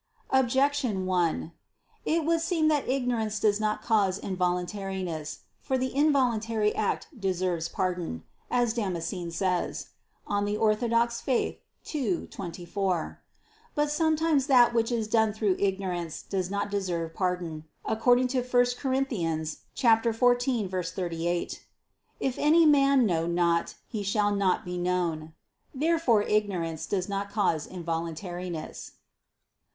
Objection 1: It would seem that ignorance does not cause involuntariness. For "the involuntary act deserves pardon," as Damascene says (De Fide Orth. ii, 24). But sometimes that which is done through ignorance does not deserve pardon, according to 1 Cor. 14:38: "If any man know not, he shall not be known." Therefore ignorance does not cause involuntariness.